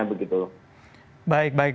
begitu baik baik